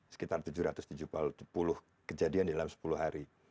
sekitar tujuh ratus tujuh puluh kejadian dalam sepuluh hari